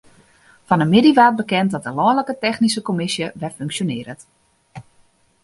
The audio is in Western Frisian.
Fan 'e middei waard bekend dat de lanlike technyske kommisje wer funksjonearret.